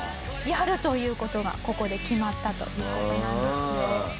やるという事がここで決まったという事なんですよ。